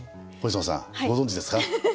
星野さんご存じですか？